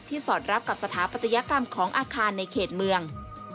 สอดรับกับสถาปัตยกรรมของอาคารในเขตเมือง